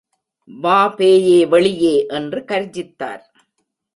வா பேயே வெளியே என்று கர்ஜித்தார்.